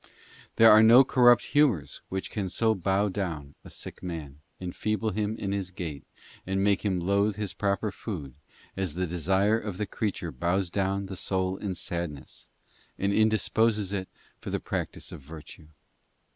There are no corrupt humours which can so bow down a sick man, enfeeble him in his gait, and make him loathe his proper food, as the desire of the creature bows down the soul in sadness, and indisposes it for the practice of virtue.